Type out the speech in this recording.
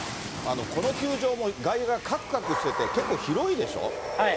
この球場も外野がかくかくしてて、結構、広いでしょ。